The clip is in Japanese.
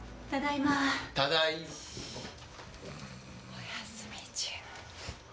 お休み中。